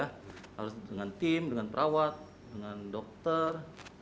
harus dengan tim dengan perawat dengan dokter